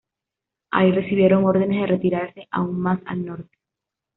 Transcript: Ahí recibieron órdenes de retirarse aún más al norte.